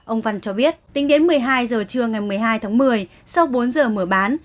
ông văn cho biết tính đến một mươi hai giờ trưa ngày một mươi hai tháng một mươi sau bốn giờ mở bán